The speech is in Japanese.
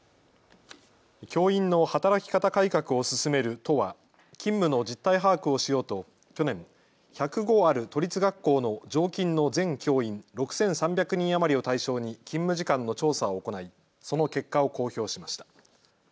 教員の働き方改革を進める都は勤務の実態把握をしようと去年、１０５ある都立学校の常勤の全教員６３００人余りを対象に勤務時間の調査を行いその結果を公表しました。